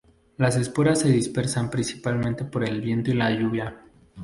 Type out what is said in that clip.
Las esporas se dispersan principalmente por el viento y la lluvia.